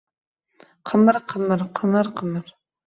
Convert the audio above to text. Qimir-qimir, qimir-qimir